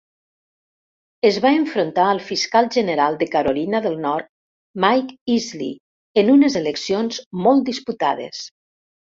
Es va enfrontar al fiscal general de Carolina del Nord, Mike Easley, en unes eleccions molt disputades.